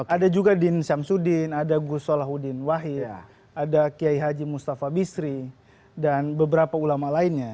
ada juga din syamsuddin ada gus solahuddin wahid ada kiai haji mustafa bisri dan beberapa ulama lainnya